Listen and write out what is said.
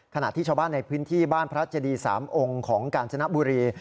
ขณะที่ชาวบ้านในพื้นที่บ้านพระเจดี๓องค์ของกาญจนบุรี